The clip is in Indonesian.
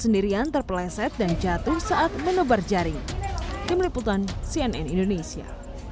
sendirian terpeleset dan jatuh saat menebar jaring tim liputan cnn indonesia